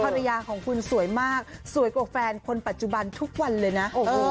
ภรรยาของคุณสวยมากสวยกว่าแฟนคนปัจจุบันทุกวันเลยนะ